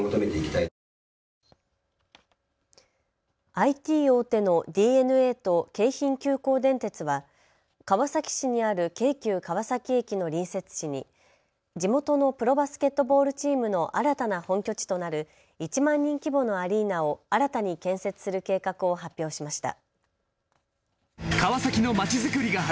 ＩＴ大手のディー・エヌ・エーと京浜急行電鉄は川崎市にある京急川崎駅の隣接地に地元のプロバスケットボールチームの新たな本拠地となる１万人規模のアリーナを新たに建設する計画を発表しました。